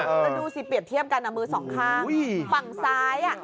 ก็ดูสิเปลี่ยนเทียมกันเอามือสองข้าง